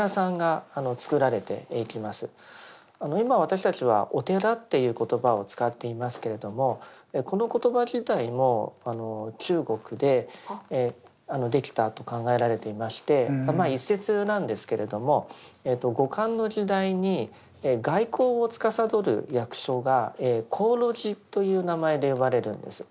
今私たちは「お寺」っていう言葉を使っていますけれどもこの言葉自体も中国でできたと考えられていまして一説なんですけれども後漢の時代に外交をつかさどる役所が鴻臚寺という名前で呼ばれるんです。